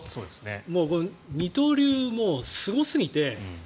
もう二刀流、もうすごすぎて。